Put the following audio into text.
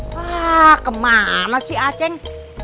wah kemana si aceh